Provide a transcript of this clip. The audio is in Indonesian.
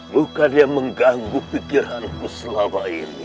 bukan yang mengganggu pikiranku selama ini